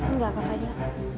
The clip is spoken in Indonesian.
enggak kak fadil